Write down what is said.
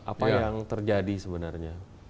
apa yang terjadi sebenarnya